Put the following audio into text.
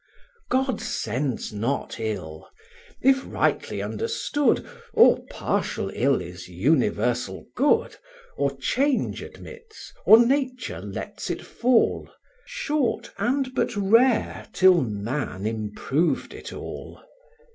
God sends not ill; if rightly understood, Or partial ill is universal good, Or change admits, or Nature lets it fall; Short, and but rare, till man improved it all.